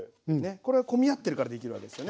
これ混み合ってるからできるわけですよね。